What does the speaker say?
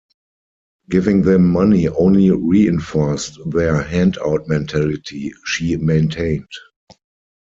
Giving them money only reinforced their handout mentality, she maintained.